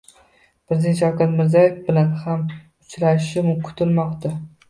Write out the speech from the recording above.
Prezident Shavkat Mirziyoyev bilan ham uchrashishi kutilmoqda